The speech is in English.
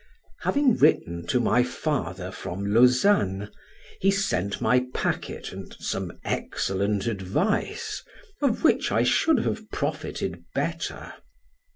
Having written to my father from Lausanne, he sent my packet and some excellent advice, of which I should have profited better.